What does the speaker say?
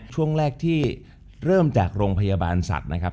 ช่วงแรกที่เริ่มจากโรงพยาบาลสัตว์นะครับ